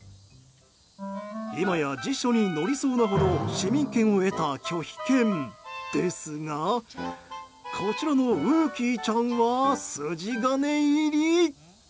今や、辞書に載りそうなほど市民権を得た拒否犬ですがこちらのうーきーちゃんは筋金入り。